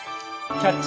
「キャッチ！